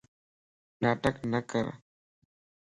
ناٽڪ نڪر